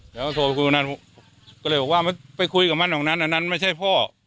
แล้วก็โทรไปคุยวันนั้นก็เลยบอกว่าไปคุยกับมันตรงนั้นอันนั้นไม่ใช่พ่อ